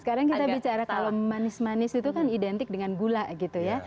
sekarang kita bicara kalau manis manis itu kan identik dengan gula gitu ya